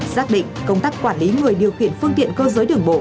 giác định công tác quản lý người điều khiển phương tiện cơ giới